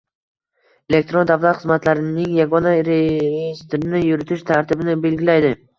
Elektron davlat xizmatlarining yagona reyestrini yuritish tartibini belgilaydi;